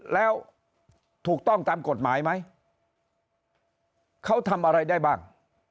แล้วถูกต้องตามกฎหมายไหมเขาทำอะไรได้บ้าง